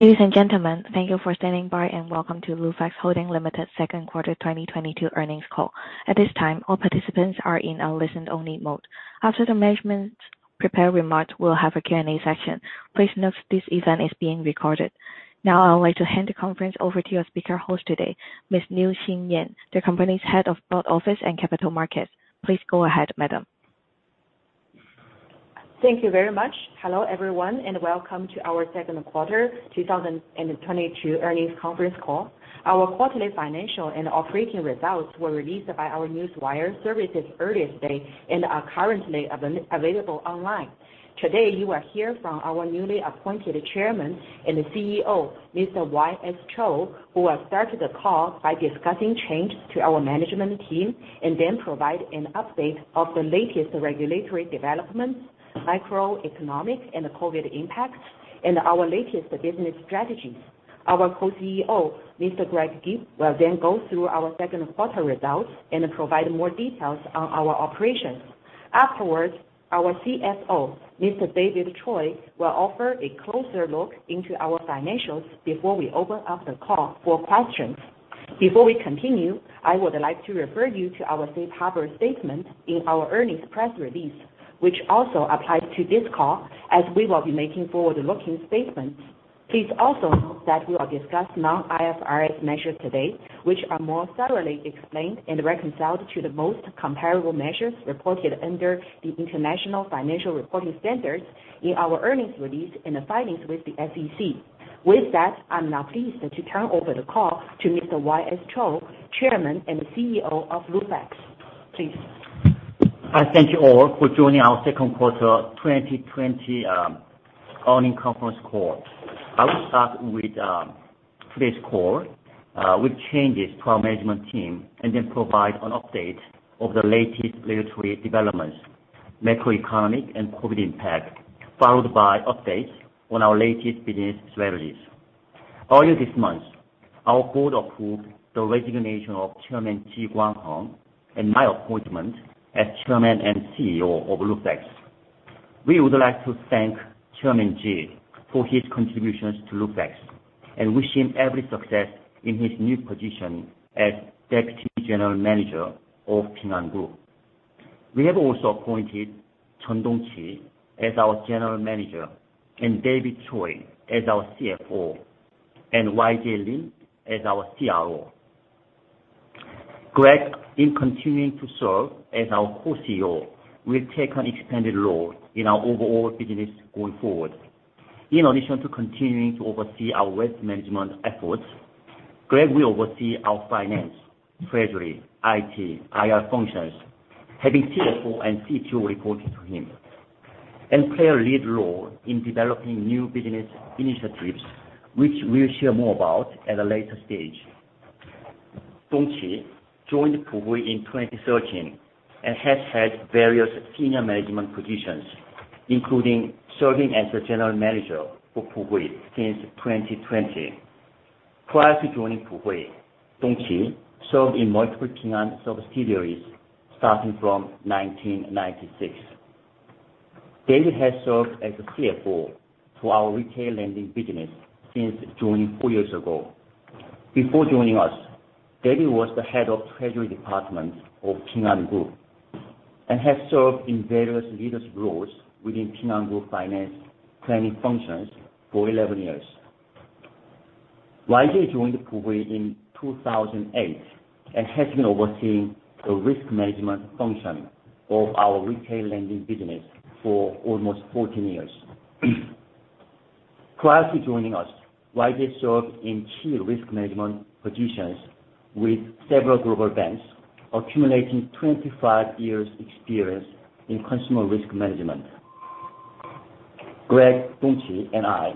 Ladies and gentlemen, thank you for standing by, and welcome to Lufax Holding Limited second quarter 2022 earnings call. At this time, all participants are in a listen-only mode. After the management's prepared remarks, we'll have a Q&A session. Please note this event is being recorded. Now I would like to hand the conference over to your speaker host today, Ms. Liu Xinyan, the company's Head of Board Office and Capital Markets. Please go ahead, Madam. Thank you very much. Hello, everyone, and welcome to our second quarter 2022 earnings conference call. Our quarterly financial and operating results were released by our news wire services earlier today and are currently available online. Today, you will hear from our newly appointed Chairman and CEO, Mr. Y.S. Cho, who will start the call by discussing changes to our management team and then provide an update of the latest regulatory developments, macroeconomic and the COVID impact, and our latest business strategies. Our Co-CEO, Mr. Greg Gibb, will then go through our second quarter results and provide more details on our operations. Afterwards, our CFO, Mr. David Choy, will offer a closer look into our financials before we open up the call for questions. Before we continue, I would like to refer you to our safe harbor statement in our earnings press release, which also applies to this call as we will be making forward-looking statements. Please also note that we will discuss non-IFRS measures today, which are more thoroughly explained and reconciled to the most comparable measures reported under the International Financial Reporting Standards in our earnings release and the filings with the SEC. With that, I'm now pleased to turn over the call to Mr. Y.S. Cho, Chairman and CEO of Lufax. Please. I thank you all for joining our second quarter 2020 earnings conference call. I will start with today's call with changes to our management team, and then provide an update of the latest regulatory developments, macroeconomic and COVID impact, followed by updates on our latest business strategies. Earlier this month, our board approved the resignation of Chairman Ji Guangheng and my appointment as Chairman and CEO of Lufax. We would like to thank Chairman Ji for his contributions to Lufax and wish him every success in his new position as Deputy General Manager of Ping An Group. We have also appointed Chen Dongqi as our General Manager, and David Choy as our CFO, and Y.J. Lim as our CRO. Greg, in continuing to serve as our Co-CEO, will take an expanded role in our overall business going forward. In addition to continuing to oversee our risk management efforts, Greg will oversee our finance, treasury, IT, IR functions, having CFO and CTO reporting to him, and play a lead role in developing new business initiatives, which we'll share more about at a later stage. Dongqi joined Puhui in 2013 and has held various senior management positions, including serving as the General Manager for Puhui since 2020. Prior to joining Puhui, Dongqi served in multiple Ping An subsidiaries starting from 1996. David has served as the CFO to our retail lending business since joining four years ago. Before joining us, David was the head of treasury department of Ping An Group and has served in various leadership roles within Ping An Group finance planning functions for 11 years. Y.J. joined Puhui in 2008 and has been overseeing the risk management function of our retail lending business for almost 14 years. Prior to joining us, Y.J. served in key risk management positions with several global banks, accumulating 25 years experience in consumer risk management. Greg, Dongqi, and I,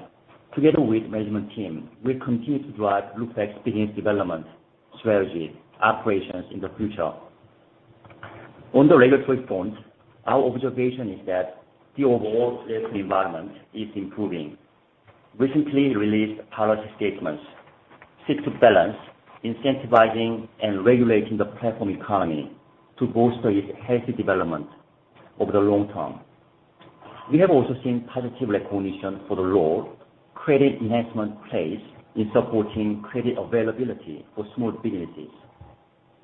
together with management team, will continue to drive Lufax business development, strategy, operations in the future. On the regulatory front, our observation is that the overall regulatory environment is improving. Recently released policy statements seek to balance incentivizing and regulating the platform economy to bolster its healthy development over the long term. We have also seen positive recognition for the role credit enhancement plays in supporting credit availability for small businesses.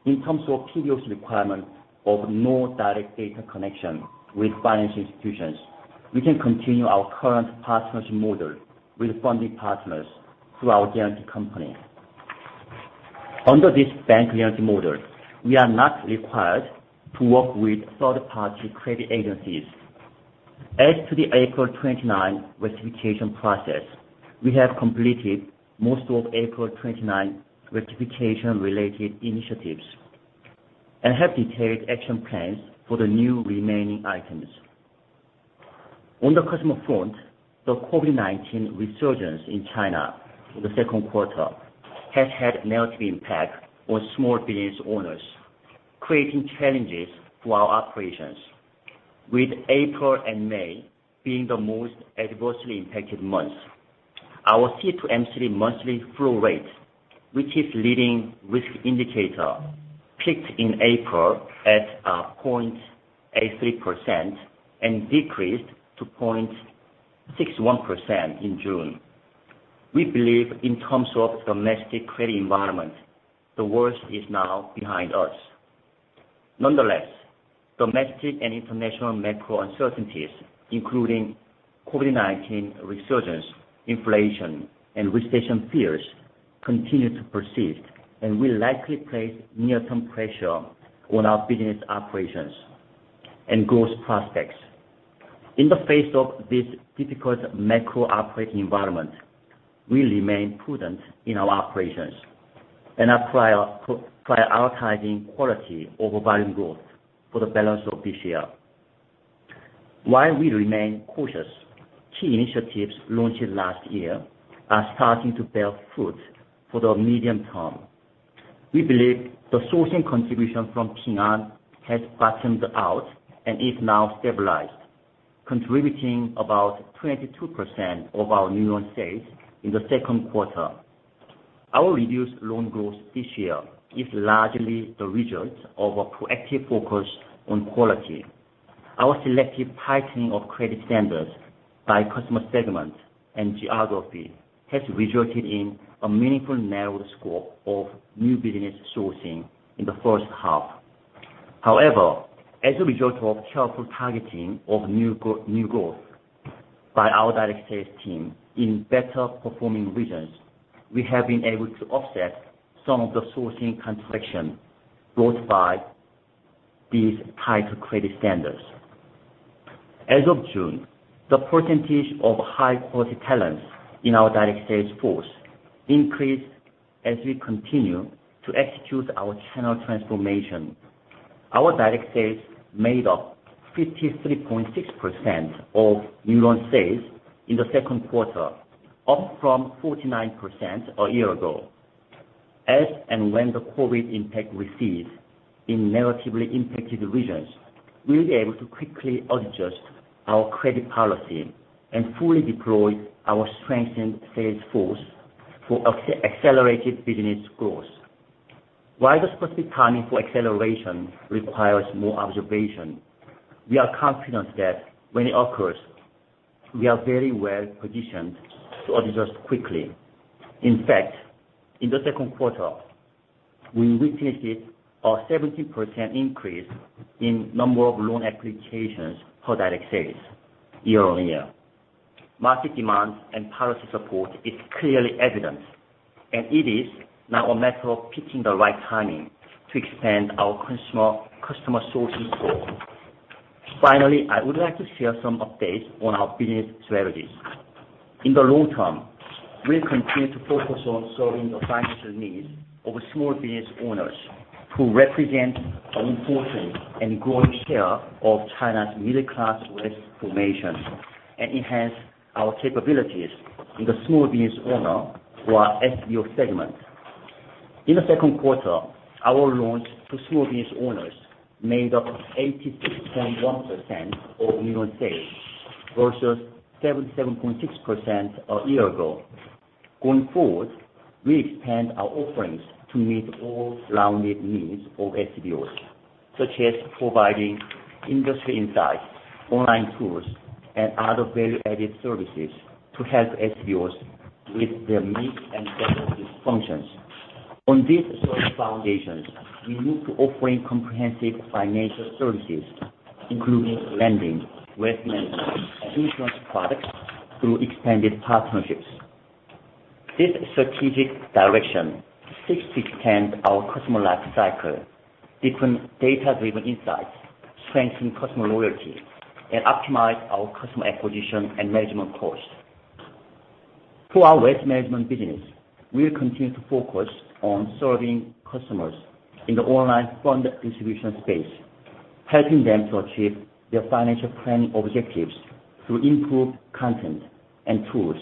In terms of previous requirement of more direct data connection with financial institutions, we can continue our current partnership model with funding partners through our guarantee company. Under this bank guarantee model, we are not required to work with third-party credit agencies. As to the April 29 rectification process, we have completed most of April 29 rectification-related initiatives, and have detailed action plans for the new remaining items. On the customer front, the COVID-19 resurgence in China in the second quarter has had negative impact on small business owners, creating challenges to our operations, with April and May being the most adversely impacted months. Our C2M3 monthly flow rate, which is leading risk indicator peaked in April at 0.83% and decreased to 0.61% in June. We believe in terms of domestic credit environment, the worst is now behind us. Nonetheless, domestic and international macro uncertainties, including COVID-19 resurgence, inflation, and recession fears, continue to persist and will likely place near-term pressure on our business operations and growth prospects. In the face of this difficult macro operating environment, we remain prudent in our operations and are prioritizing quality over volume growth for the balance of this year. While we remain cautious, key initiatives launched last year are starting to bear fruit for the medium term. We believe the sourcing contribution from Ping An has bottomed out and is now stabilized, contributing about 22% of our new loan sales in the second quarter. Our reduced loan growth this year is largely the result of a proactive focus on quality. Our selective tightening of credit standards by customer segment and geography has resulted in a meaningful narrowed scope of new business sourcing in the first half. However, as a result of careful targeting of new growth by our direct sales team in better performing regions, we have been able to offset some of the sourcing contraction brought by these tighter credit standards. As of June, the percentage of high-quality talents in our direct sales force increased as we continue to execute our channel transformation. Our direct sales made up 53.6% of new loan sales in the second quarter, up from 49% a year ago. As and when the COVID impact recedes in negatively impacted regions, we'll be able to quickly adjust our credit policy and fully deploy our strengthened sales force for accelerated business growth. While the specific timing for acceleration requires more observation, we are confident that when it occurs, we are very well-positioned to adjust quickly. In fact, in the second quarter, we witnessed it, a 70% increase in number of loan applications for direct sales year-on-year. Market demand and policy support is clearly evident, and it is now a matter of picking the right timing to expand our customer sourcing scope. Finally, I would like to share some updates on our business strategies. In the long term, we'll continue to focus on serving the financial needs of small business owners who represent an important and growing share of China's middle-class wealth formation and enhance our capabilities in the small business owner or SBO segment. In the second quarter, our loans to small business owners made up 86.1% of new loan sales versus 77.6% a year ago. Going forward, we expand our offerings to meet all-around needs of SBOs, such as providing industry insights, online tools, and other value-added services to help SBOs with their mid- and back-office functions. On these solid foundations, we look to offering comprehensive financial services, including lending, wealth management, and insurance products through expanded partnerships. This strategic direction seeks to extend our customer life cycle, deepen data-driven insights, strengthen customer loyalty, and optimize our customer acquisition and management costs. Through our wealth management business, we'll continue to focus on serving customers in the online fund distribution space, helping them to achieve their financial planning objectives through improved content and tools,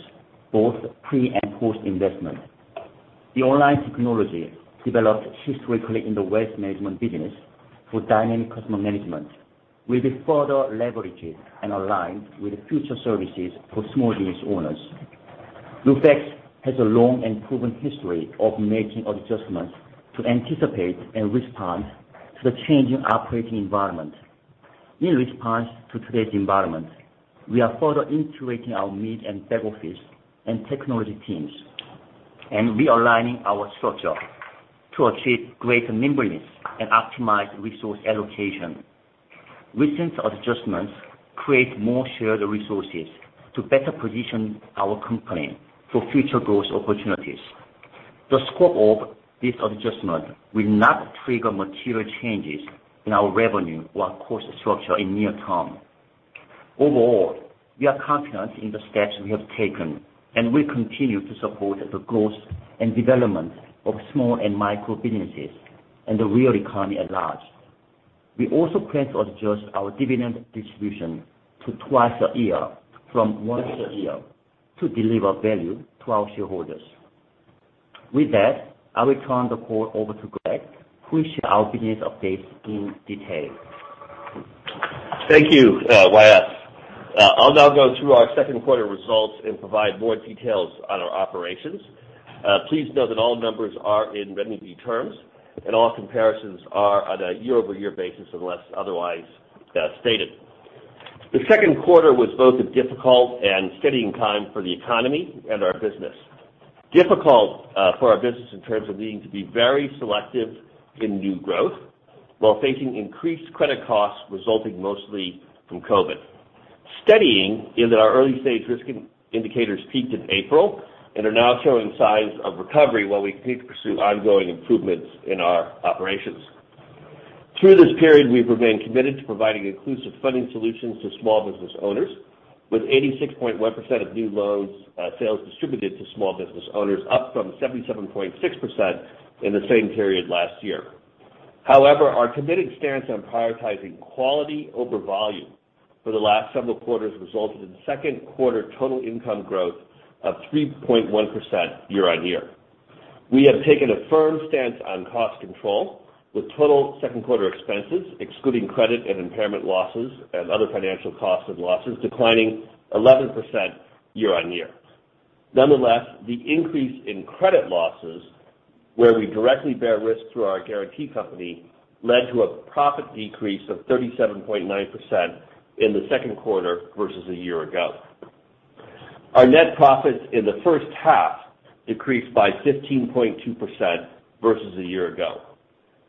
both pre- and post-investment. The online technology developed historically in the wealth management business for dynamic customer management will be further leveraged and aligned with future services for small business owners. Lufax has a long and proven history of making adjustments to anticipate and respond to the changing operating environment. In response to today's environment, we are further integrating our mid and back office and technology teams and realigning our structure to achieve greater nimbleness and optimize resource allocation. Recent adjustments create more shared resources to better position our company for future growth opportunities. The scope of this adjustment will not trigger material changes in our revenue or cost structure in near term. Overall, we are confident in the steps we have taken, and we continue to support the growth and development of small and micro businesses and the real economy at large. We also plan to adjust our dividend distribution to twice a year from once a year to deliver value to our shareholders. With that, I will turn the call over to Greg, who will share our business updates in detail. Thank you, Y.S. I'll now go through our second quarter results and provide more details on our operations. Please note that all numbers are in renminbi terms, and all comparisons are on a year-over-year basis unless otherwise stated. The second quarter was both a difficult and steadying time for the economy and our business. Difficult for our business in terms of needing to be very selective in new growth while facing increased credit costs resulting mostly from COVID. Steadying in that our early-stage risk indicators peaked in April and are now showing signs of recovery while we continue to pursue ongoing improvements in our operations. Through this period, we've remained committed to providing inclusive funding solutions to small business owners with 86.1% of new loans, sales distributed to small business owners, up from 77.6% in the same period last year. However, our committed stance on prioritizing quality over volume for the last several quarters resulted in second quarter total income growth of 3.1% year-over-year. We have taken a firm stance on cost control, with total second quarter expenses excluding credit and impairment losses and other financial costs and losses declining 11% year-over-year. Nonetheless, the increase in credit losses where we directly bear risk through our guarantee company led to a profit decrease of 37.9% in the second quarter versus a year ago. Our net profits in the first half decreased by 15.2% versus a year ago.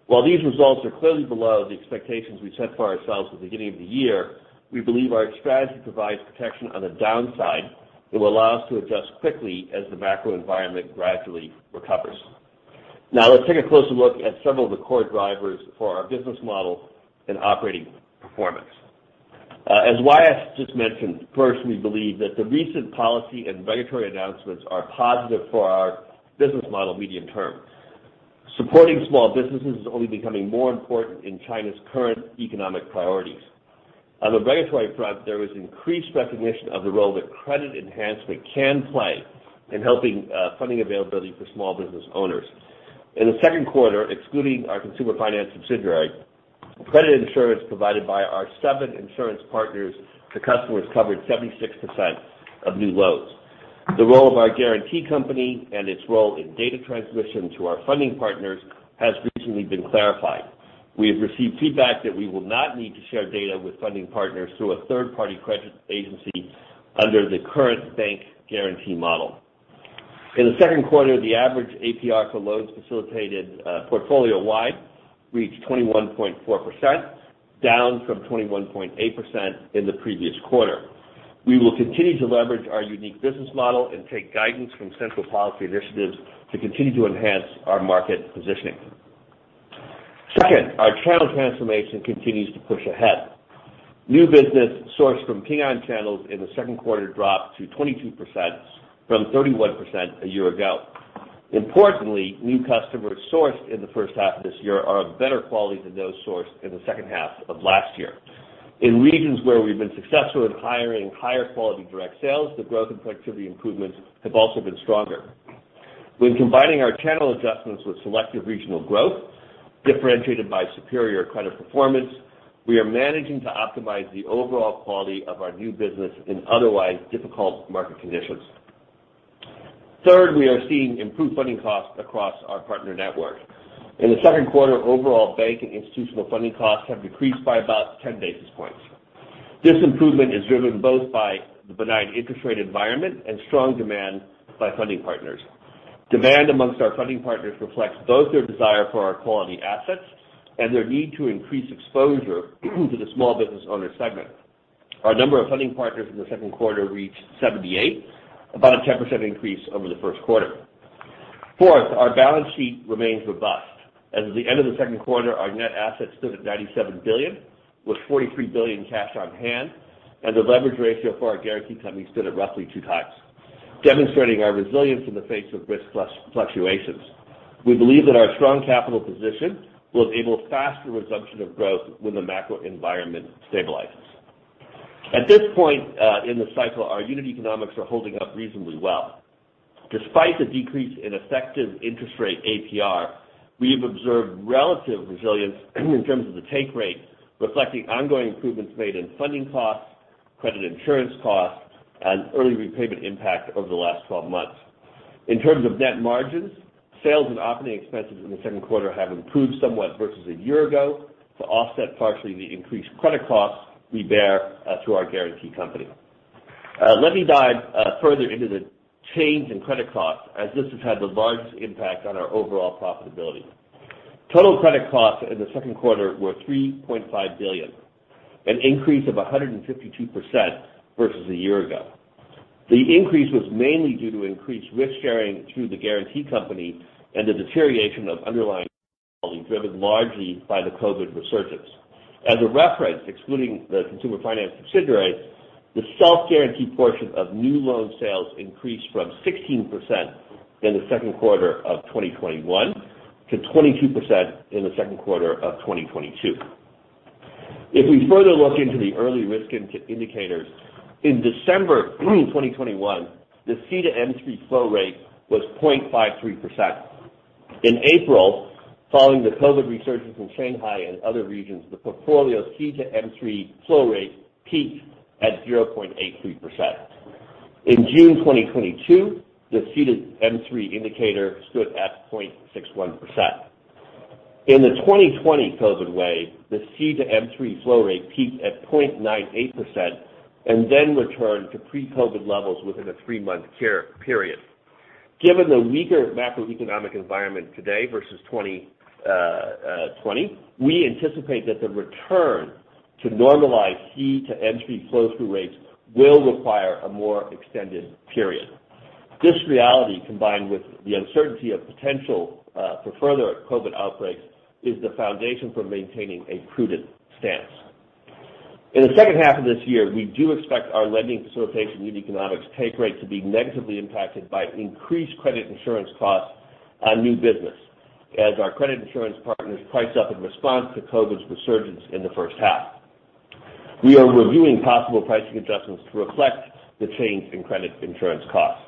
While these results are clearly below the expectations we set for ourselves at the beginning of the year, we believe our strategy provides protection on the downside that will allow us to adjust quickly as the macro environment gradually recovers. Now let's take a closer look at several of the core drivers for our business model and operating performance. As Y.S. just mentioned, first, we believe that the recent policy and regulatory announcements are positive for our business model medium term. Supporting small businesses is only becoming more important in China's current economic priorities. On the regulatory front, there is increased recognition of the role that credit enhancement can play in helping funding availability for small business owners. In the second quarter, excluding our consumer finance subsidiary, credit insurance provided by our seven insurance partners to customers covered 76% of new loans. The role of our guarantee company and its role in data transmission to our funding partners has recently been clarified. We have received feedback that we will not need to share data with funding partners through a third-party credit agency under the current bank guarantee model. In the second quarter, the average APR for loans facilitated portfolio-wide reached 21.4%, down from 21.8% in the previous quarter. We will continue to leverage our unique business model and take guidance from central policy initiatives to continue to enhance our market positioning. Second, our channel transformation continues to push ahead. New business sourced from Ping An channels in the second quarter dropped to 22% from 31% a year ago. Importantly, new customers sourced in the first half of this year are of better quality than those sourced in the second half of last year. In regions where we've been successful in hiring higher quality direct sales, the growth and productivity improvements have also been stronger. When combining our channel adjustments with selective regional growth differentiated by superior credit performance, we are managing to optimize the overall quality of our new business in otherwise difficult market conditions. Third, we are seeing improved funding costs across our partner network. In the second quarter, overall bank and institutional funding costs have decreased by about 10 basis points. This improvement is driven both by the benign interest rate environment and strong demand by funding partners. Demand amongst our funding partners reflects both their desire for our quality assets and their need to increase exposure to the small business owner segment. Our number of funding partners in the second quarter reached 78, about a 10% increase over the first quarter. Fourth, our balance sheet remains robust. As of the end of the second quarter, our net assets stood at 97 billion, with 43 billion cash on hand, and the leverage ratio for our guarantee company stood at roughly 2x, demonstrating our resilience in the face of risk fluctuations. We believe that our strong capital position will enable faster resumption of growth when the macro environment stabilizes. At this point in the cycle, our unit economics are holding up reasonably well. Despite the decrease in effective interest rate APR, we have observed relative resilience in terms of the take rate, reflecting ongoing improvements made in funding costs, credit insurance costs, and early repayment impact over the last 12 months. In terms of net margins, sales and operating expenses in the second quarter have improved somewhat versus a year ago to offset partially the increased credit costs we bear through our guarantee company. Let me dive further into the change in credit costs as this has had the largest impact on our overall profitability. Total credit costs in the second quarter were 3.5 billion, an increase of 152% versus a year ago. The increase was mainly due to increased risk sharing through the guarantee company and the deterioration of underlying quality, driven largely by the COVID resurgence. As a reference, excluding the consumer finance subsidiary, the self-guarantee portion of new loan sales increased from 16% in the second quarter of 2021 to 22% in the second quarter of 2022. If we further look into the early risk indicators, in December 2021, the C2M3 flow rate was 0.53%. In April, following the COVID resurgence in Shanghai and other regions, the portfolio C2M3 flow rate peaked at 0.83%. In June 2022, the C2M3 indicator stood at 0.61%. In the 2020 COVID wave, the C2M3 flow rate peaked at 0.98% and then returned to pre-COVID levels within a 3-month carry period. Given the weaker macroeconomic environment today versus 2020, we anticipate that the return to normalized C2M3 flow-through rates will require a more extended period. This reality, combined with the uncertainty of potential for further COVID outbreaks, is the foundation for maintaining a prudent stance. In the second half of this year, we do expect our lending facilitation unit economics take rate to be negatively impacted by increased credit insurance costs on new business as our credit insurance partners priced up in response to COVID's resurgence in the first half. We are reviewing possible pricing adjustments to reflect the change in credit insurance costs.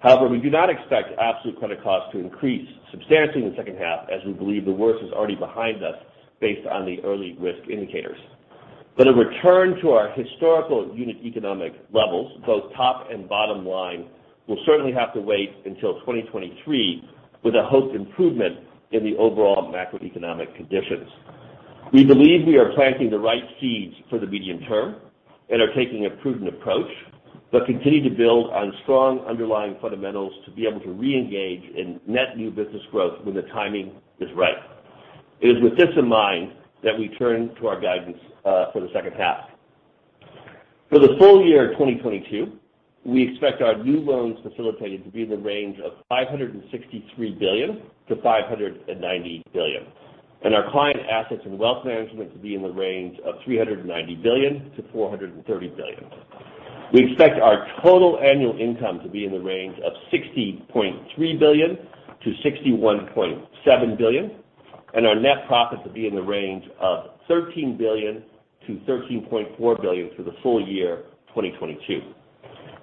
However, we do not expect absolute credit costs to increase substantially in the second half as we believe the worst is already behind us based on the early risk indicators. A return to our historical unit economic levels, both top and bottom line, will certainly have to wait until 2023 with a hoped improvement in the overall macroeconomic conditions. We believe we are planting the right seeds for the medium term and are taking a prudent approach, but continue to build on strong underlying fundamentals to be able to reengage in net new business growth when the timing is right. It is with this in mind that we turn to our guidance for the second half. For the full year 2022, we expect our new loans facilitated to be in the range of 563 billion-590 billion, and our client assets and wealth management to be in the range of 390 billion-430 billion. We expect our total annual income to be in the range of 60.3 billion-61.7 billion, and our net profit to be in the range of 13 billion-13.4 billion for the full year 2022.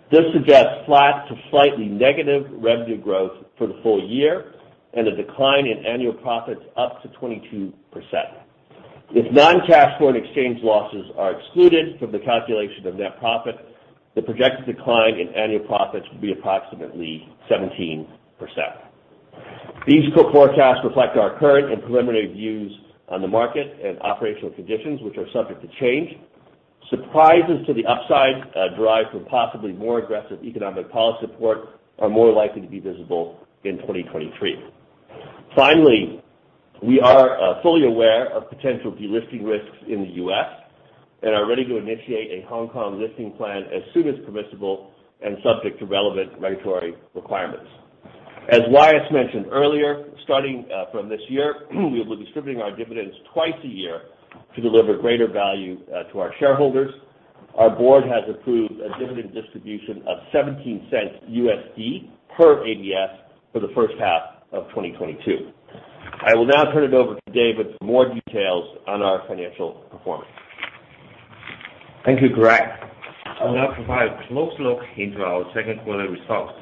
This suggests flat to slightly negative revenue growth for the full year and a decline in annual profits up to 22%. If non-cash foreign exchange losses are excluded from the calculation of net profit, the projected decline in annual profits will be approximately 17%. These forecasts reflect our current and preliminary views on the market and operational conditions, which are subject to change. Surprises to the upside derived from possibly more aggressive economic policy support are more likely to be visible in 2023. Finally, we are fully aware of potential delisting risks in the U.S. and are ready to initiate a Hong Kong listing plan as soon as permissible and subject to relevant regulatory requirements. As Y.S. mentioned earlier, starting from this year, we will be distributing our dividends twice a year to deliver greater value to our shareholders. Our board has approved a dividend distribution of $0.17 per ADS for the first half of 2022. I will now turn it over to David for more details on our financial performance. Thank you, Greg. I will now provide a close look into our second quarter results.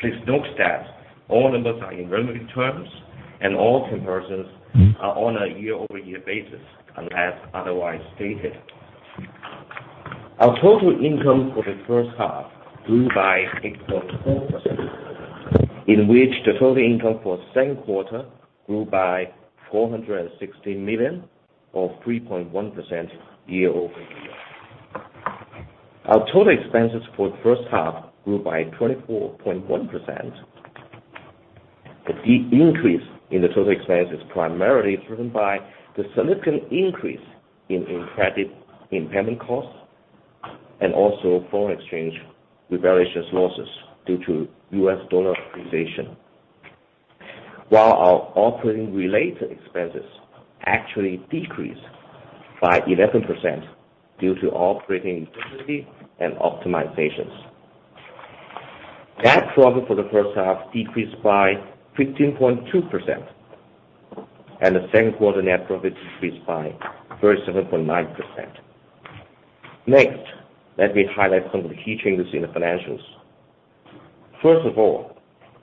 Please note that all numbers are in renminbi terms, and all comparisons are on a year-over-year basis unless otherwise stated. Our total income for the first half grew by 8.4%, in which the total income for second quarter grew by 460 million or 3.1% year-over-year. Our total expenses for the first half grew by 24.1%. The steep increase in the total expense is primarily driven by the significant increase in credit impairment costs and also foreign exchange losses due to U.S. dollar appreciation. While our operating related expenses actually decreased by 11% due to operating efficiency and optimizations. Net profit for the first half decreased by 15.2%, and the second quarter net profit decreased by 37.9%. Next, let me highlight some of the key changes in the financials. First of all,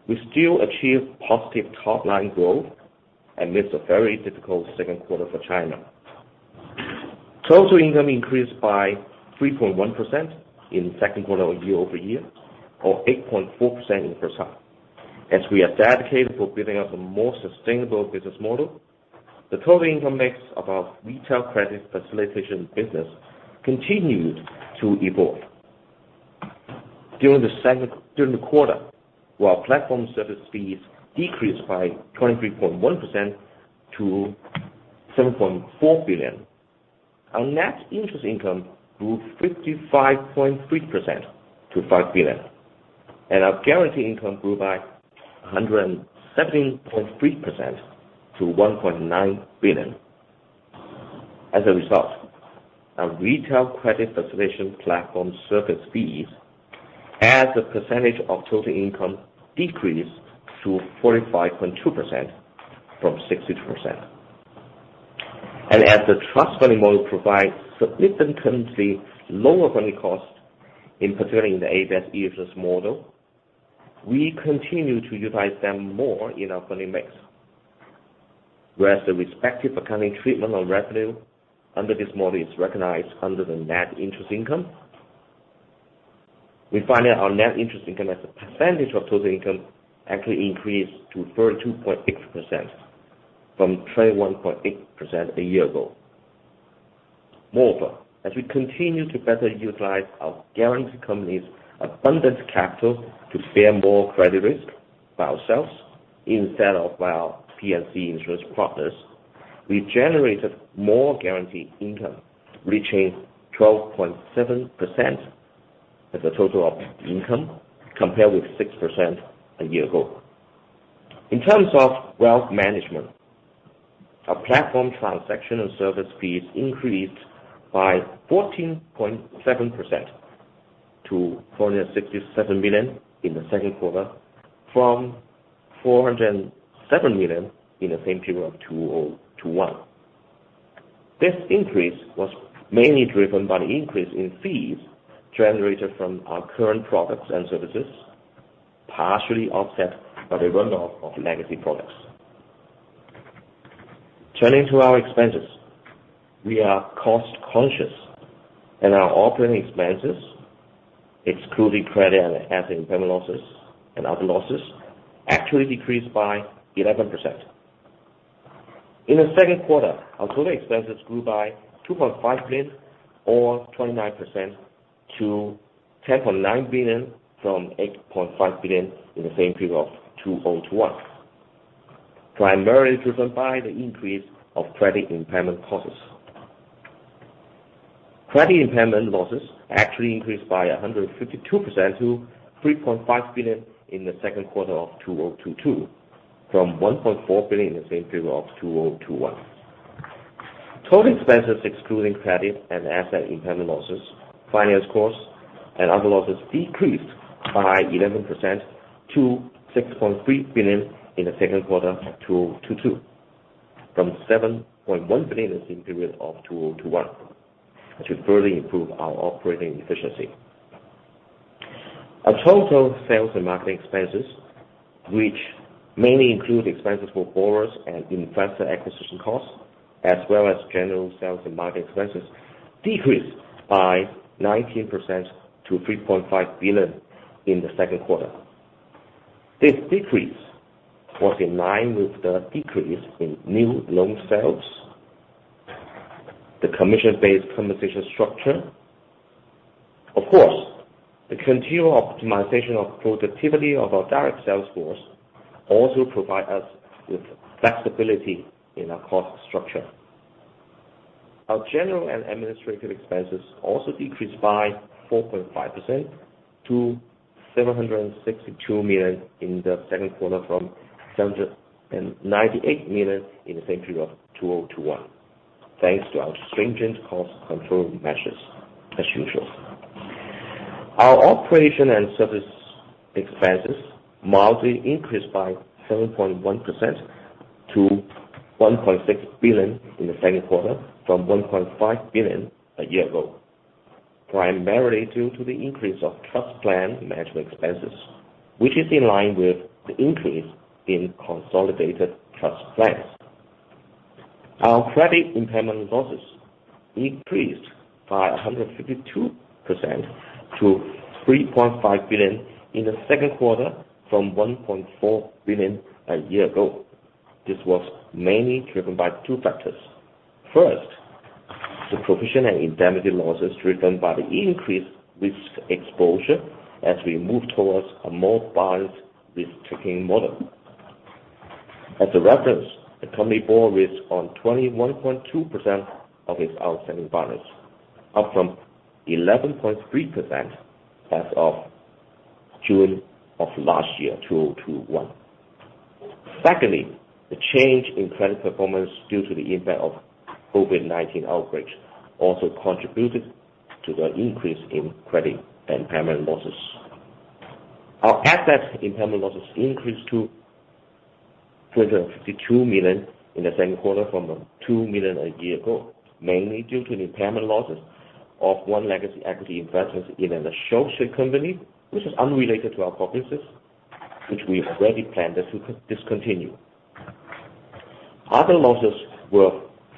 we still achieved positive top-line growth amidst a very difficult second quarter for China. Total income increased by 3.1% in second quarter year-over-year or 8.4% in first half. As we are dedicated for building up a more sustainable business model, the total income mix of our retail credit facilitation business continued to evolve. During the quarter, while platform service fees decreased by 23.1% to 7.4 billion, our net interest income grew 55.3% to 5 billion, and our guarantee income grew by 117.3% to 1.9 billion. As a result, our retail credit facilitation platform service fees as a percentage of total income decreased to 45.2% from 62%. As the trust funding model provides significantly lower funding costs in preserving the ABS/ETFs model, we continue to utilize them more in our funding mix, whereas the respective accounting treatment of revenue under this model is recognized under the net interest income. We find that our net interest income as a percentage of total income actually increased to 32.6% from 21.8% a year ago. Moreover, as we continue to better utilize our guarantee company's abundant capital to bear more credit risk by ourselves instead of by our P&C insurance partners, we generated more guaranteed income, reaching 12.7% as a total of income, compared with 6% a year ago. In terms of wealth management, our platform transaction and service fees increased by 14.7% to 467 million in the second quarter from 407 million in the same period of 2021. This increase was mainly driven by the increase in fees generated from our current products and services, partially offset by the run-off of legacy products. Turning to our expenses. We are cost conscious and our operating expenses, excluding credit and asset impairment losses and other losses, actually decreased by 11%. In the second quarter, our total expenses grew by 2.5 billion or 29% to 10.9 billion from 8.5 billion in the same period of 2021, primarily driven by the increase of credit impairment costs. Credit impairment losses actually increased by 152% to 3.5 billion in the second quarter of 2022, from 1.4 billion in the same period of 2021. Total expenses excluding credit and asset impairment losses, finance costs, and other losses decreased by 11% to 6.3 billion in the second quarter of 2022, from 7.1 billion in the same period of 2021, which will further improve our operating efficiency. Our total sales and marketing expenses, which mainly include expenses for borrowers and investor acquisition costs, as well as general sales and marketing expenses, decreased by 19% to 3.5 billion in the second quarter. This decrease was in line with the decrease in new loan sales, the commission-based compensation structure. Of course, the continual optimization of productivity of our direct sales force also provide us with flexibility in our cost structure. Our general and administrative expenses also decreased by 4.5% to 762 million in the second quarter from 798 million in the same period of 2021. Thanks to our stringent cost control measures as usual. Our operation and service expenses mildly increased by 7.1% to 1.6 billion in the second quarter from 1.5 billion a year ago, primarily due to the increase of trust plan management expenses, which is in line with the increase in consolidated trust plans. Our credit impairment losses increased by 152% to 3.5 billion in the second quarter from 1.4 billion a year ago. This was mainly driven by two factors. First, the provision and indemnity losses driven by the increased risk exposure as we move towards a more balanced risk-taking model. As a reference, the company bore risk on 21.2% of its outstanding balance, up from 11.3% as of June of last year, 2021. Secondly, the change in credit performance due to the impact of COVID-19 outbreak also contributed to the increase in credit impairment losses. Our asset impairment losses increased to 252 million in the second quarter from 2 million a year ago, mainly due to the impairment losses of one legacy equity investments in an insurance company, which is unrelated to our businesses, which we have already planned to discontinue. Other losses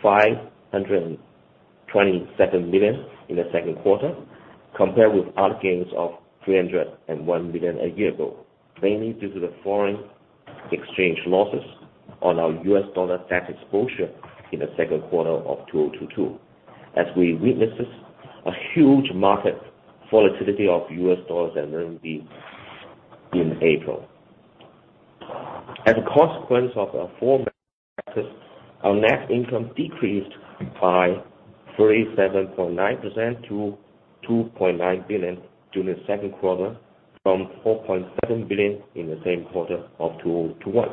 were 527 million in the second quarter, compared with other gains of 301 million a year ago, mainly due to the foreign exchange losses on our U.S. dollar debt exposure in the second quarter of 2022, as we witnessed a huge market volatility of U.S. dollars and renminbi in April. As a consequence of our full measures, our net income decreased by 37.9% to 2.9 billion during the second quarter from 4.7 billion in the same quarter of 2021.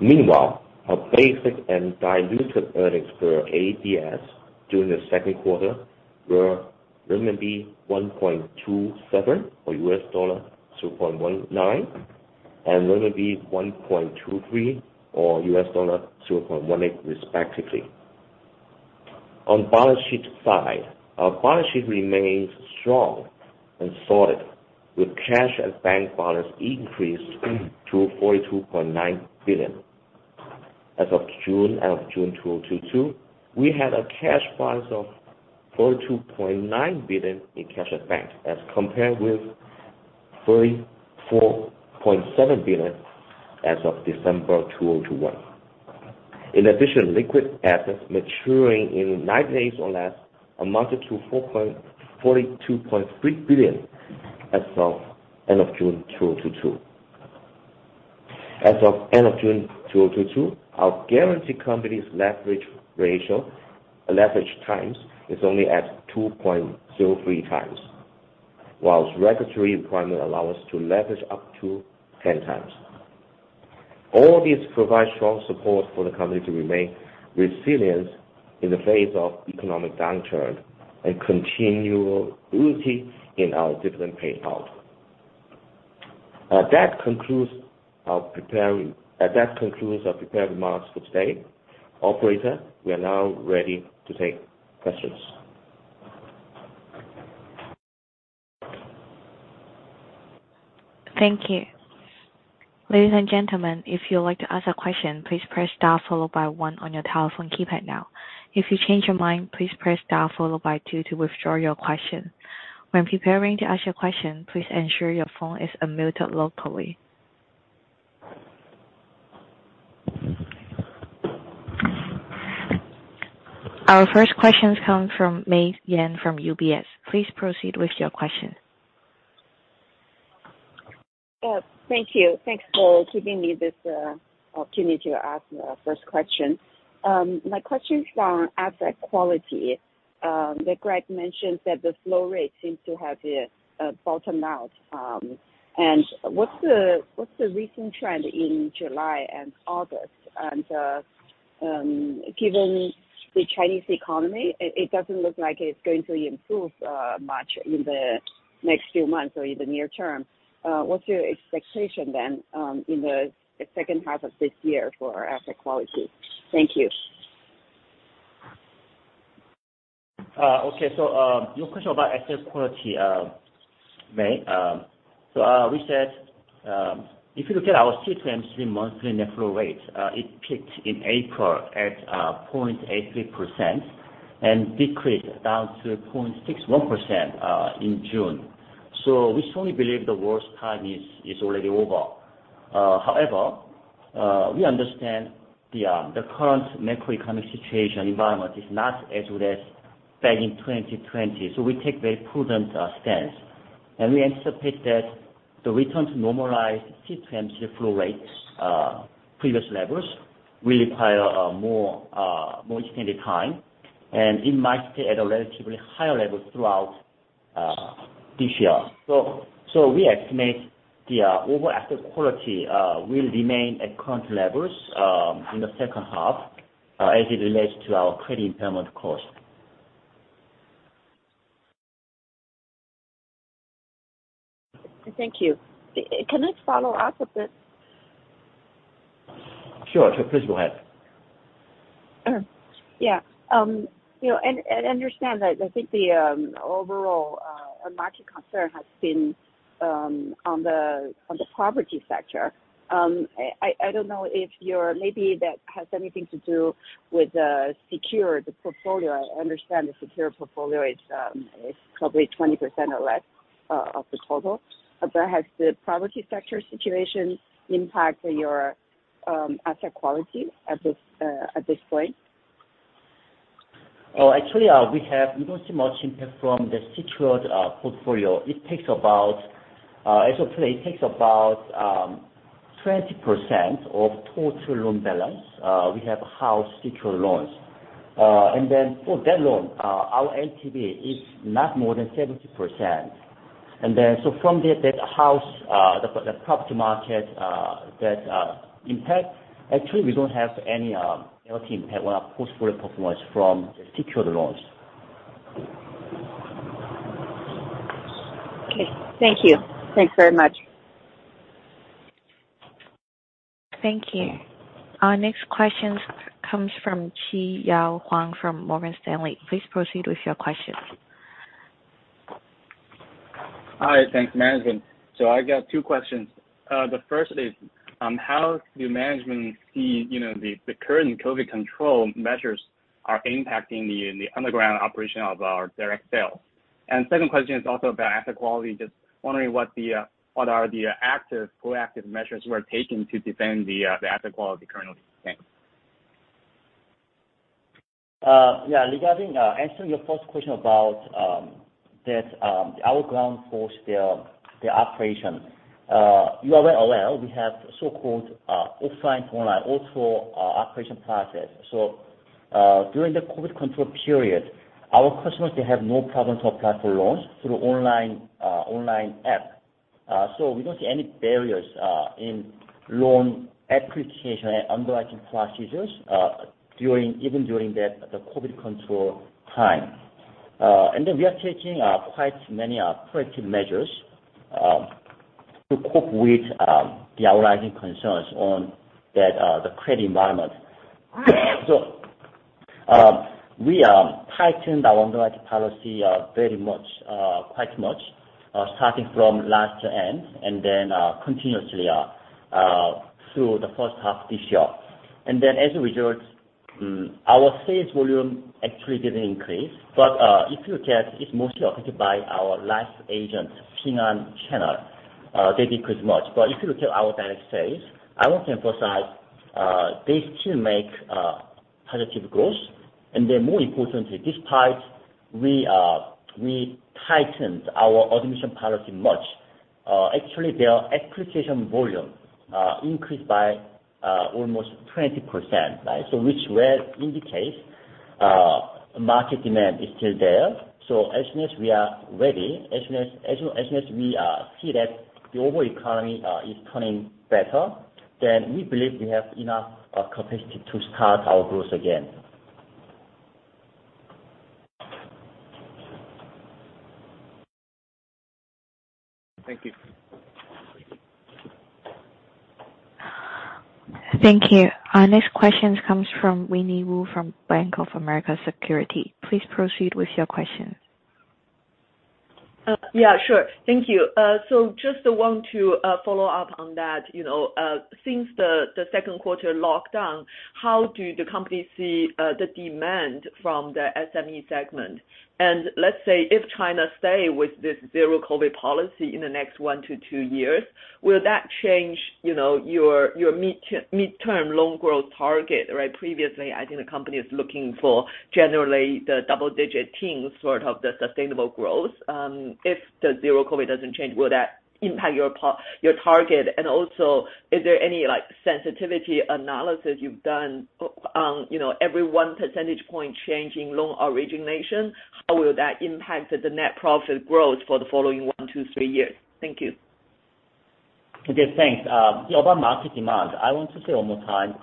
Meanwhile, our basic and diluted earnings per ADS during the second quarter were RMB 1.27, or $2.19. Renminbi is RMB 1.23 or $0.18 respectively. On balance sheet side, our balance sheet remains strong and solid with cash and bank balance increased to 42.9 billion as of June 2022. We had a cash balance of 42.9 billion in cash and bank as compared with 34.7 billion as of December 2021. In addition, liquid assets maturing in 90 days or less amounted to 42.3 billion as of end of June 2022. As of end of June 2022, our guarantee company's leverage ratio, leverage times is only at 2.03 times, while regulatory requirement allow us to leverage up to 10 times. All these provide strong support for the company to remain resilient in the face of economic downturn and continual stability in our dividend payout. That concludes our prepared remarks for today. Operator, we are now ready to take questions. Thank you. Ladies and gentlemen, if you would like to ask a question, please press star followed by one on your telephone keypad now. If you change your mind, please press star followed by two to withdraw your question. When preparing to ask your question, please ensure your phone is unmuted locally. Our first question comes from May Yan from UBS. Please proceed with your question. Thank you. Thanks for giving me this opportunity to ask the first question. My question is on asset quality, that Greg mentioned that the flow rate seems to have bottomed out, and what's the recent trend in July and August? Given the Chinese economy, it doesn't look like it's going to improve much in the next few months or in the near term. What's your expectation then in the second half of this year for asset quality? Thank you. Okay. Your question about asset quality, May. We said, if you look at our C-M3 monthly net flow rate, it peaked in April at 0.83% and decreased down to 0.61% in June. We strongly believe the worst time is already over. However, we understand the current macroeconomic situation environment is not as good as back in 2020, so we take very prudent stance. We anticipate that the return to normalized C-M3 flow rates, previous levels will require a more extended time, and it might stay at a relatively higher level throughout this year. We estimate the overall asset quality will remain at current levels in the second half as it relates to our credit impairment cost. Thank you. Can I follow up a bit? Sure. Please go ahead. You know, understand that I think the overall market concern has been on the property sector. I don't know if you're maybe that has anything to do with the secured portfolio. I understand the secured portfolio is probably 20% or less of the total. Has the property sector situation impacted your asset quality at this point? Actually, we don't see much impact from the secured portfolio. As of today, it takes about 20% of total loan balance. We have house secured loans. For that loan, our LTV is not more than 70%. From that house, the property market impact, actually we don't have any LTV impact on our portfolio performance from the secured loans. Okay. Thank you. Thanks very much. Thank you. Our next question comes from Chiyao Huang from Morgan Stanley. Please proceed with your question. Hi. Thanks, management. I got two questions. The first is, how do management see the current COVID control measures are impacting the on-the-ground operation of our direct sales? Second question is also about asset quality. Just wondering what are the active, proactive measures you are taking to defend the asset quality currently. Thanks. Yeah, regarding answering your first question about our ground force, their operation. You are very aware we have so-called offline to online all through our operation process. During the COVID control period, our customers they have no problem to apply for loans through online app. We don't see any barriers in loan application and underwriting procedures, even during that the COVID control time. We are taking quite many proactive measures to cope with the arising concerns on the credit environment. We tightened our underwriting policy very much, quite much, starting from last end and then continuously through the first half this year. As a result, our sales volume actually didn't increase. If you look at it is mostly occupied by our life agents, Ping An channel, they decrease much. If you look at our bank sales, I want to emphasize, they still make positive growth. More importantly, despite we tightened our admission policy much, actually their acquisition volume increased by almost 20%, right? Which well indicates market demand is still there. As soon as we are ready, as soon as we see that the overall economy is turning better, then we believe we have enough capacity to start our growth again. Thank you. Thank you. Our next question comes from Winnie Wu from Bank of America Securities. Please proceed with your question. Yeah, sure. Thank you. So just want to follow up on that, you know, since the second quarter lockdown, how do the company see the demand from the SME segment? Let's say if China stay with this zero COVID policy in the next one to two years, will that change, you know, your midterm loan growth target, right? Previously, I think the company is looking for generally the double digit teen sort of the sustainable growth. If the zero COVID doesn't change, will that impact your target? Also is there any, like, sensitivity analysis you've done on, you know, every one percentage point change in loan origination? How will that impact the net profit growth for the following one to three years? Thank you. Okay, thanks. About market demand, I want to say one more time,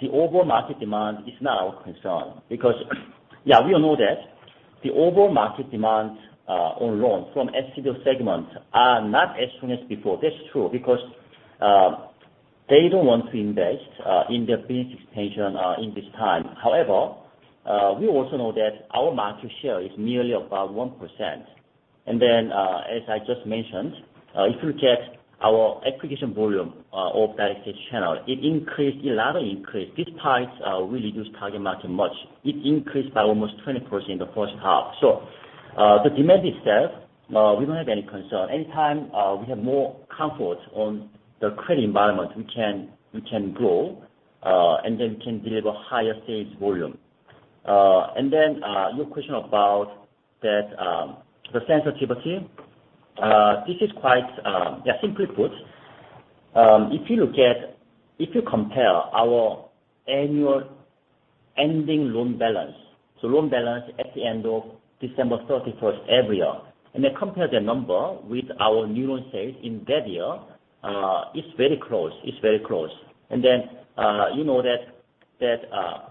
the overall market demand is not our concern. Yeah, we all know that the overall market demand on loans from SME segment are not as strong as before. That's true, they don't want to invest in their business expansion in this time. However, we also know that our market share is nearly about 1%. As I just mentioned, if you look at our acquisition volume of direct sales channel, it increased, it rather increased. These parts, we reduce target market much. It increased by almost 20% in the first half. The demand is there. We don't have any concern. Any time we have more comfort on the credit environment, we can grow, and then we can deliver higher sales volume. Your question about that, the sensitivity. This is quite simply put, if you compare our annual ending loan balance, so loan balance at the end of December 31st every year, and then compare the number with our new loan sales in that year, it's very close. You know that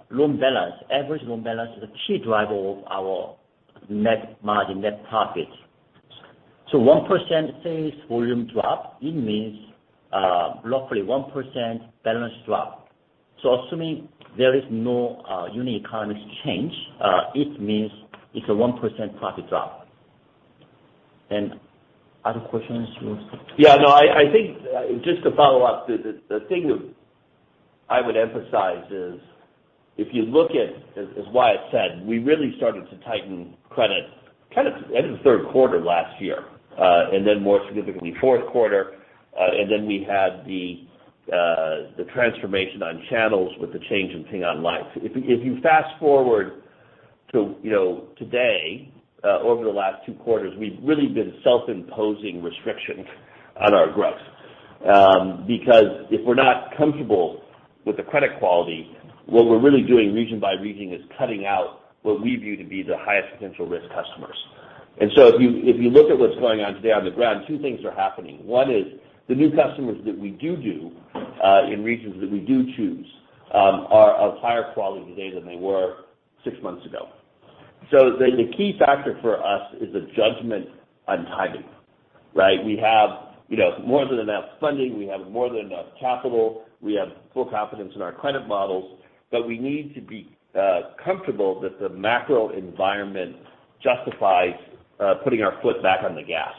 loan balance, average loan balance is a key driver of our net margin, net profit. 1% sales volume drop, it means, roughly 1% balance drop. Assuming there is no unique economic change, it means it's a 1% profit drop. Other questions? Yeah, no, I think just to follow up, the thing that I would emphasize is if you look at, as Y.S. said, we really started to tighten credit kind of end of third quarter last year. More significantly fourth quarter. We had the transformation on channels with the change in Ping An Life. If you fast-forward to, you know, today, over the last two quarters, we've really been self-imposing restrictions on our growth. Because if we're not comfortable with the credit quality, what we're really doing region by region is cutting out what we view to be the highest potential risk customers. If you look at what's going on today on the ground, two things are happening. One is the new customers that we do in regions that we choose are of higher quality today than they were six months ago. The key factor for us is the judgment on timing, right? We have, you know, more than enough funding. We have more than enough capital. We have full confidence in our credit models. We need to be comfortable that the macro environment justifies putting our foot back on the gas.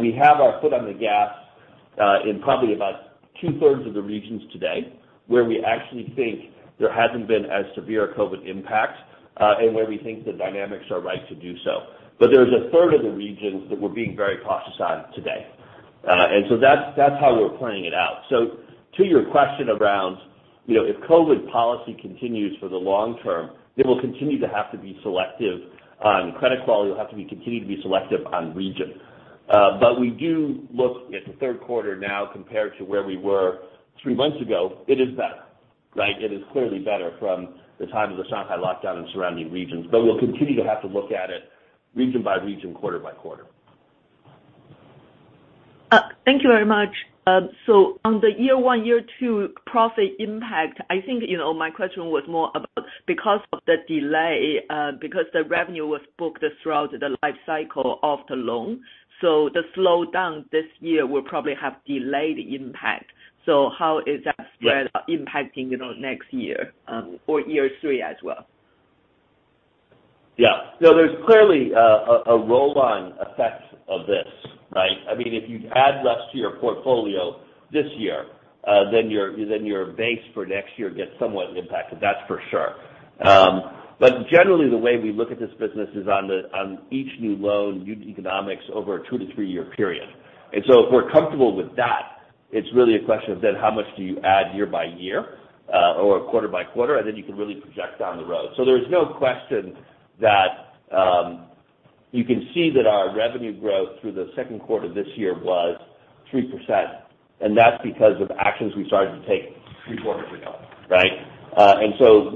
We have our foot on the gas in probably about two-thirds of the regions today, where we actually think there hasn't been as severe COVID impact and where we think the dynamics are right to do so. There's a third of the regions that we're being very cautious on today. That's how we're planning it out. To your question around, you know, if COVID policy continues for the long term, it will continue to have to be selective on credit quality, it'll have to continue to be selective on region. We do look at the third quarter now compared to where we were three months ago, it is better, right? It is clearly better from the time of the Shanghai lockdown and surrounding regions, but we'll continue to have to look at it region by region, quarter by quarter. Thank you very much. On the year one, year two profit impact, I think, you know, my question was more about because of the delay, because the revenue was booked throughout the life cycle of the loan, so the slowdown this year will probably have delayed impact. How is that spread impacting, you know, next year, or year three as well? Yeah. No, there's clearly a roll-on effect of this, right? I mean, if you add less to your portfolio this year, then your base for next year gets somewhat impacted, that's for sure. But generally the way we look at this business is on each new loan, new economics over a two to three year period. If we're comfortable with that, it's really a question of then how much do you add year by year, or quarter by quarter, and then you can really project down the road. There is no question that you can see that our revenue growth through the second quarter this year was 3%, and that's because of actions we started to take three quarters ago, right?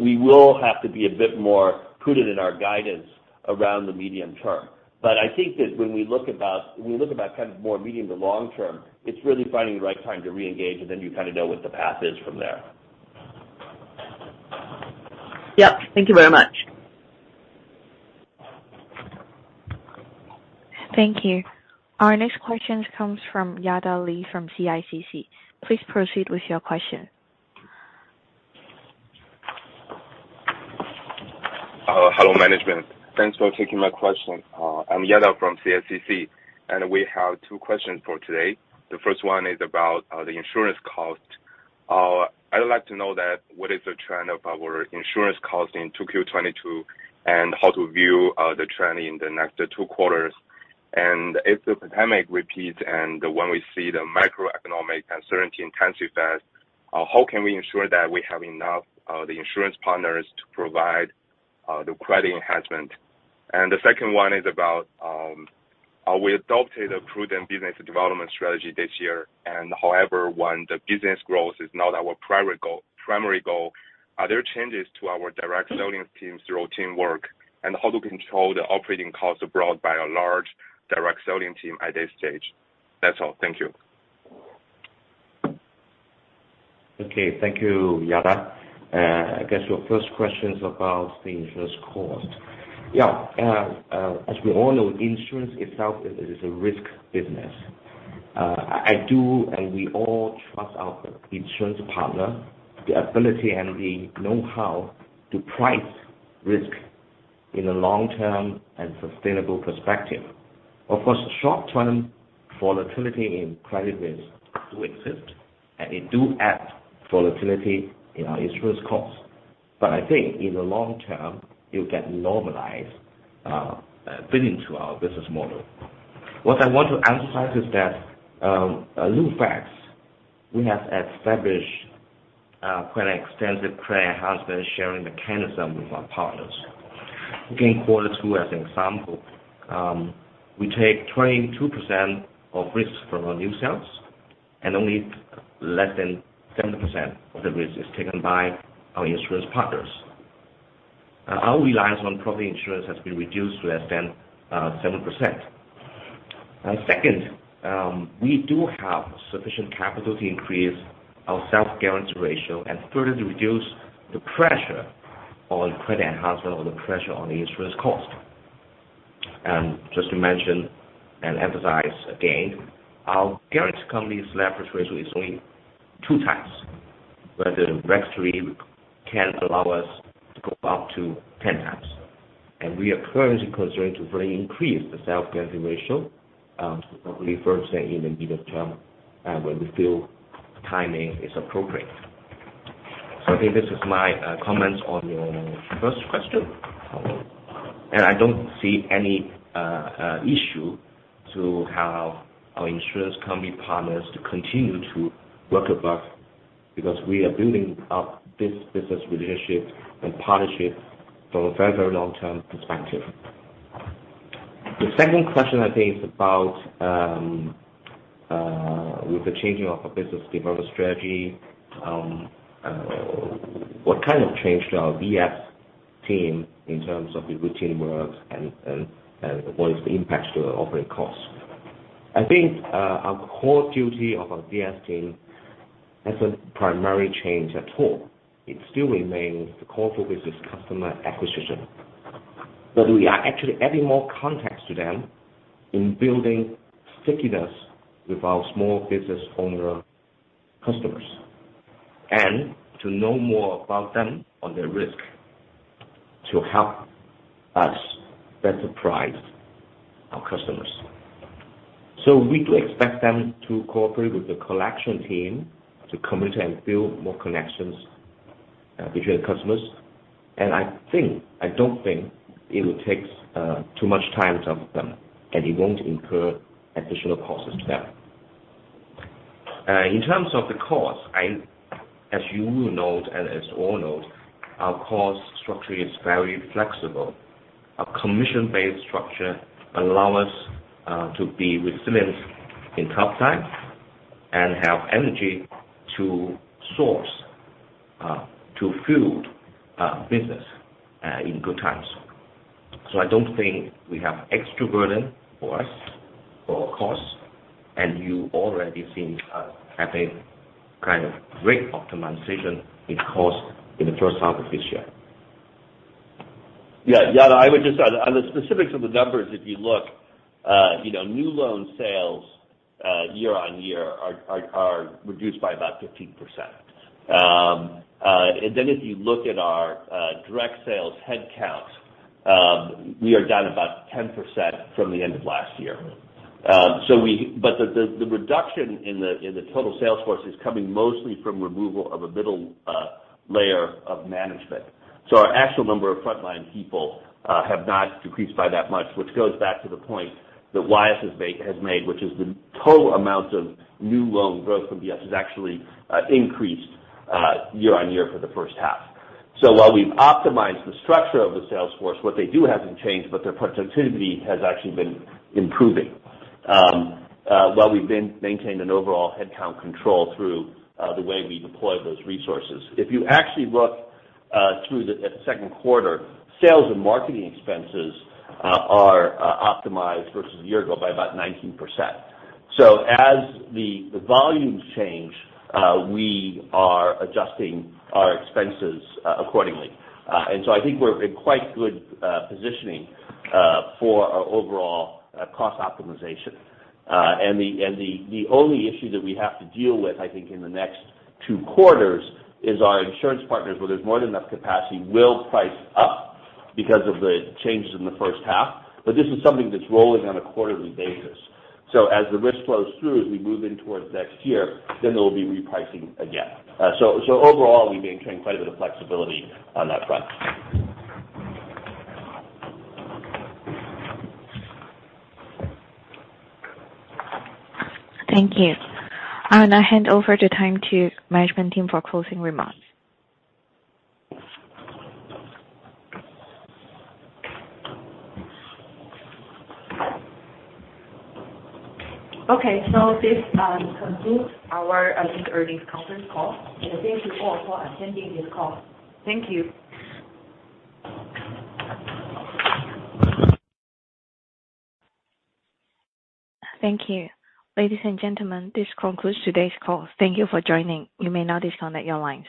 We will have to be a bit more prudent in our guidance around the medium term. I think that when we look about kind of more medium to long term, it's really finding the right time to reengage, and then you kinda know what the path is from there. Yep. Thank you very much. Thank you. Our next question comes from Yada Li from CICC. Please proceed with your question. Hello, management. Thanks for taking my question. I'm Yada from CICC, and we have two questions for today. The first one is about the insurance cost. I would like to know what is the trend of our insurance cost in 2Q 2022, and how to view the trend in the next two quarters. If the pandemic repeats and when we see the macroeconomic uncertainty and interest rates, how can we ensure that we have enough insurance partners to provide the credit enhancement? The second one is about how we adopted a prudent business development strategy this year and however, when the business growth is not our primary goal, are there changes to our direct selling teams through teamwork? How to control the operating costs brought by a large direct selling team at this stage? That's all. Thank you. Okay. Thank you, Yada. I guess your first question's about the interest cost. Yeah. As we all know, insurance itself is a risk business. I do and we all trust our insurance partner, the ability and the know-how to price risk in a long-term and sustainable perspective. Of course, short-term volatility in credit risk do exist, and they do add volatility in our insurance cost. But I think in the long term, it'll get normalized, fit into our business model. What I want to emphasize is that, at Lufax, we have established quite an extensive credit enhancement sharing mechanism with our partners. Again, quarter two as an example, we take 22% of risks from our new sales and only less than 10% of the risk is taken by our insurance partners. Our reliance on property insurance has been reduced to less than 7%. Second, we do have sufficient capital to increase our self-guarantee ratio and further to reduce the pressure on credit enhancement or the pressure on the insurance cost. Just to mention and emphasize again, our guarantee company's leverage ratio is only 2 times, but the regulators can allow us to go up to 10 times. We are currently considering to further increase the self-guarantee ratio to probably 30% in the medium term when we feel the timing is appropriate. I think this is my comments on your first question. I don't see any issue with how our insurance company partners to continue to work with us because we are building up this business relationship and partnership from a very, very long-term perspective. The second question, I think, is about the changing of our business development strategy, what kind of change to our DS team in terms of the routine works and what is the impact to the operating costs? I think, our core duty of our DS team hasn't primarily changed at all. It still remains. The core focus is customer acquisition. We are actually adding more context to them in building stickiness with our small business owner customers, and to know more about them on their risk to help us better price our customers. We do expect them to cooperate with the collection team to communicate and build more connections between customers. I think, I don't think it will take too much time from them, and it won't incur additional costs to them. In terms of the cost, as you note, and as all note, our cost structure is very flexible. Our commission-based structure allow us to be resilient in tough times and have energy to source to fuel business in good times. I don't think we have extra burden for us for cost and you already seen us having kind of great optimization in cost in the first half of this year. Yeah. Yeah. I would just add, on the specifics of the numbers, if you look, you know, new loan sales year-on-year are reduced by about 15%. Then if you look at our direct sales headcount, we are down about 10% from the end of last year. The reduction in the total sales force is coming mostly from removal of a middle layer of management. Our actual number of frontline people have not decreased by that much, which goes back to the point that Y.S. has made, which is the total amount of new loan growth from DS has actually increased year-on-year for the first half. While we've optimized the structure of the sales force, what they do hasn't changed, but their productivity has actually been improving. While we've been maintaining an overall headcount control through the way we deploy those resources. If you actually look through the second quarter, sales and marketing expenses are optimized versus a year ago by about 19%. As the volumes change, we are adjusting our expenses accordingly. I think we're in quite good positioning for our overall cost optimization. The only issue that we have to deal with, I think in the next two quarters, is our insurance partners, where there's more than enough capacity, will price up because of the changes in the first half. This is something that's rolling on a quarterly basis. As the risk flows through, as we move in towards next year, then there will be repricing again. So overall we've maintained quite a bit of flexibility on that front. Thank you. I will now hand over the time to management team for closing remarks. Okay. This concludes our investor earnings conference call. Thank you all for attending this call. Thank you. Thank you. Ladies and gentlemen, this concludes today's call. Thank you for joining. You may now disconnect your lines.